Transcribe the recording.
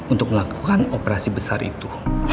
untuk melakukan operasi besar itu